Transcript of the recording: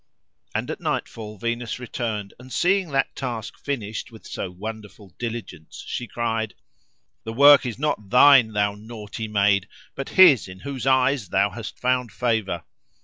And at nightfall Venus returned, and seeing that task finished with so wonderful diligence, she cried, "The work is not thine, thou naughty maid, but his in whose eyes thou hast found favour."